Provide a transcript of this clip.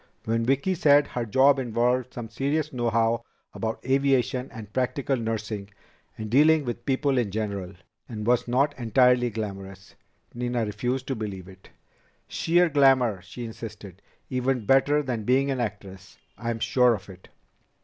When Vicki said her job involved some serious know how about aviation and practical nursing, and dealing with people in general and was not entirely glamorous Nina refused to believe it. "Sheer glamour," she insisted. "Even better than being an actress. I'm sure of it."